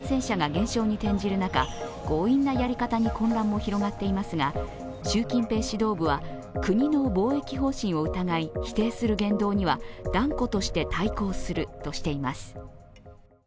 上海では、新規感染者が減少に転じる中、強引なやり方に混乱も広がっていますが、習近平指導部は国の防疫方針を疑い否定する言動には断固として対抗するとしています。